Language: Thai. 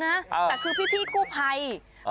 แต่คือพี่กู้ภัย